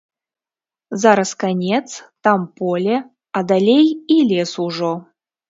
Зараз канец, там поле, а далей і лес ужо.